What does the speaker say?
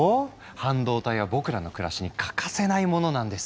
半導体は僕らの暮らしに欠かせないものなんですよ。